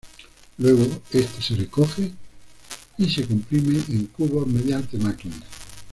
Luego, este se recoge y se comprime en cubos mediante máquinas.